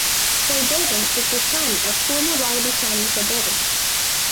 Poidevin is the son of former Wallaby Simon Poidevin.